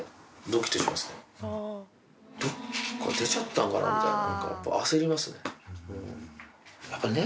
どっか出ちゃったのかなみたいな、やっぱ焦りますね。